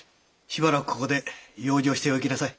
しばらくここで養生しておゆきなさい。